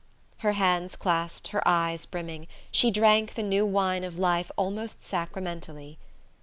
Her hands clasped, her eyes brimming, she drank the new wine of life almost sacramentally.